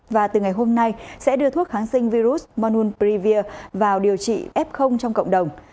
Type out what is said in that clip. và từ ngày hôm nay sẽ đưa thuốc kháng sinh virus monunprevia vào điều trị f trong cộng đồng